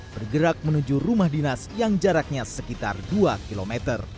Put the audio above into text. bergerak menuju rumah dinas yang jaraknya sekitar dua km